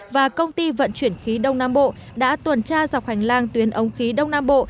và công ty vận chuyển khí đông nam bộ đã tuần tra dọc hành lang tuyến ống khí đông nam bộ